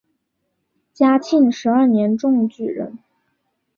嘉庆十二年中举人。